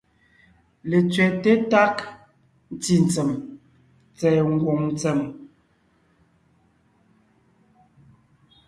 Letsẅɛ́te tág ntí ntsèm tsɛ̀ɛ ngwòŋ ntsèm,